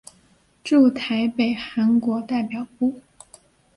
驻台北韩国代表部。